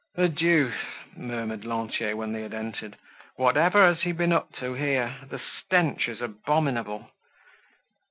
"The deuce!" murmured Lantier, when they had entered, "whatever has he been up to here? The stench is abominable."